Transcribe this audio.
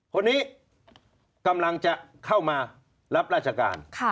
คนนี้กำลังจะเข้ามารับราชการ